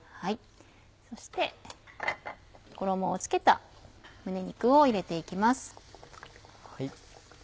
そして衣を付けた胸肉を入れて行きます。